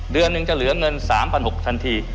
เดือนหนึ่งจะเหลือเงิน๓๖๐๐ทันที